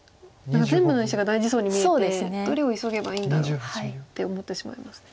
何か全部の石が大事そうに見えてどれを急げばいいんだろうって思ってしまいます。